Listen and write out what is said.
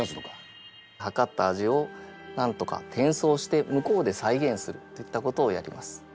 はかった味をなんとか転送して向こうで再現するっていったことをやります。